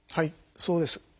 そうです。